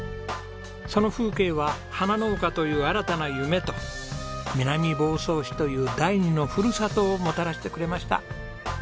その風景は花農家という新たな夢と南房総市という第２のふるさとをもたらしてくれました。